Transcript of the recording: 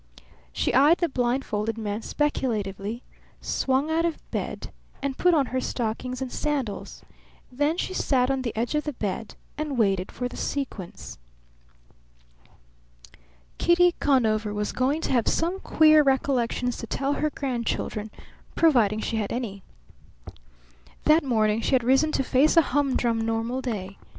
She eyed the blindfolded men speculatively, swung out of bed, and put on her stockings and sandals; then she sat on the edge of the bed and waited for the sequence. Kitty Conover was going to have some queer recollections to tell her grandchildren, providing she had any. That morning she had risen to face a humdrum normal day.